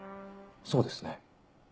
そうですね。